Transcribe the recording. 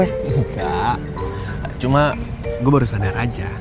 enggak cuma gue baru sadar aja